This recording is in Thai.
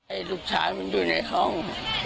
ไอลูกชายอ่ะมันอยู่ในห้อง